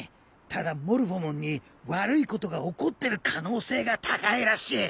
ただモルフォモンに悪いことが起こってる可能性が高いらしい。